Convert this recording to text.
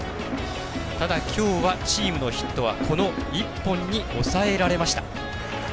ただ、きょうはチームのヒットはこの１本に抑えられました。